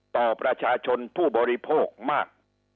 ต่อประชาชนผู้บริโภคมาก